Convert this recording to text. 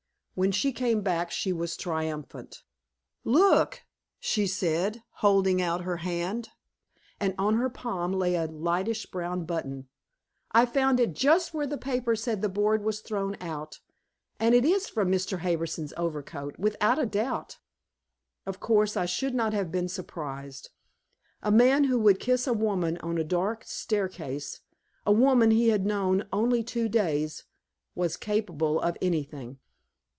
When she came back she was triumphant. "Look," she said, holding out her hand. And on her palm lay a lightish brown button. "I found it just where the paper said the board was thrown out, and it is from Mr. Harbison's overcoat, without a doubt." Of course I should not have been surprised. A man who would kiss a woman on a dark staircase a woman he had known only two days was capable of anything.